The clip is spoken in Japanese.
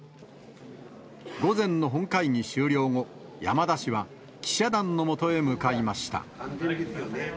午前の本会議終了後、山田氏は記者団のもとへ向かいました。